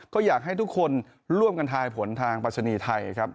ก็อยากให้ทุกคนร่วมกันทายผลทางปรัชนีไทยครับ